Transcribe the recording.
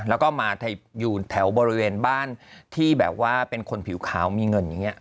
แล้วก็มาอยู่แถวบริเวณบ้านที่แบบว่าเป็นคนผิวขาวมีเงินอย่างนี้